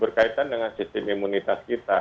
berkaitan dengan sistem imunitas kita